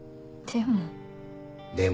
でも。